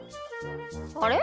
あれ？